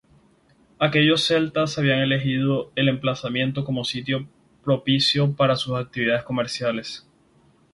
Aquellos celtas habían elegido el emplazamiento como sitio propicio para sus actividades comerciales.